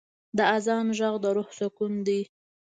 د آذان ږغ د روح سکون دی.